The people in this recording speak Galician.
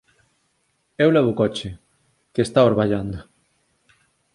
Eu levo o coche, que está orballando